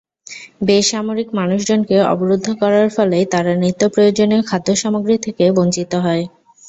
বেসামরিক মানুষজনকে অবরুদ্ধ করার ফলেই তারা নিত্যপ্রয়োজনীয় খাদ্যসামগ্রী থেকে বঞ্চিত হয়।